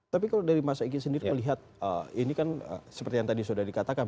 tapi kalau dari masa ini sendiri melihat ini kan seperti yang sudah dikatakan